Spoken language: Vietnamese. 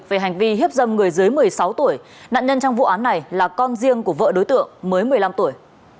về hành vi hiếp dâm người dưới một mươi sáu tuổi nạn nhân trong vụ án này là con riêng của vợ đối tượng mới một mươi năm tuổi